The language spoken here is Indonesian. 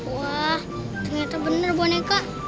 wah ternyata bener boneka